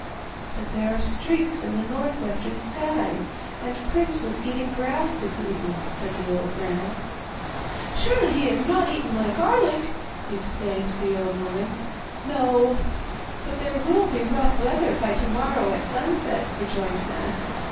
'But there are streaks in the north western sky, and Prince was eating grass this evening,' said the old man. 'Surely he has not eaten my garlic,' exclaimed the old woman. 'No; but there will be rough weather by to morrow at sunset,' rejoined Matte.